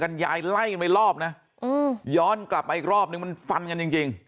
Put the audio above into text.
ยายไล่กันไปรอบนะย้อนกลับมาอีกรอบนึงมันฟันกันจริงจริง